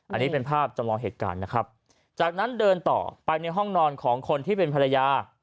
อันนี้เป็นภาพจำลองเหตุการณ์นะครับจากนั้นเดินต่อไปในห้องนอนของคนที่เป็นภรรยา